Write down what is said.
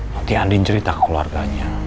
nanti andin cerita ke keluarganya